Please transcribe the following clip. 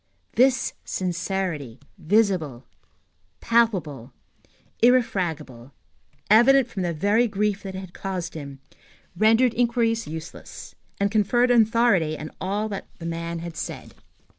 This sincerity, visible, palpable, irrefragable, evident from the very grief that it caused him, rendered inquiries useless, and conferred authority on all that that man had said.